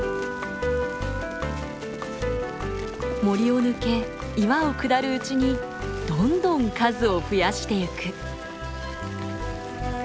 森を抜け岩を下るうちにどんどん数を増やしてゆく。